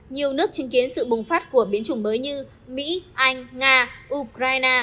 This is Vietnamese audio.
nhiều nước chứng kiến sự bùng phát của biến chủng mới như mỹ anh nga ukraine